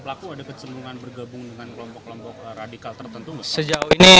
pelaku ada kecenderungan bergabung dengan kelompok kelompok radikal tertentu nggak sejauh ini